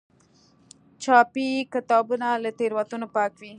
چاپي کتابونه له تېروتنو پاک وي.